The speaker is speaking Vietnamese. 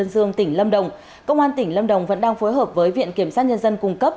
công an tỉnh lâm đồng vẫn đang phối hợp với viện kiểm soát nhân dân cung cấp